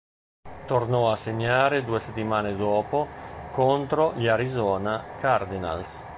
Tornò a segnare due settimane dopo contro gli Arizona Cardinals.